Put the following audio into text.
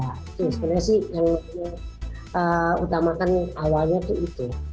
itu sebenarnya sih yang utamakan awalnya itu itu